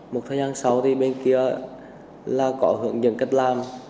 một thời gian sau thì bên kia là có hướng dẫn cách làm